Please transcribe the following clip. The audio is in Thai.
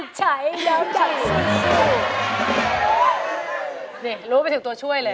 นี่รู้ไปถึงตัวช่วยเลย